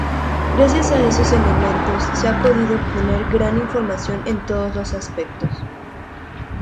Gracias a esos elementos, se ha podido obtener gran información en todos los aspectos.